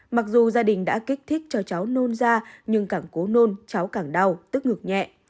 mặc dù gia đình đã kích thích cho cháu nôn da nhưng càng cố nôn cháu càng đau tức ngực nhẹ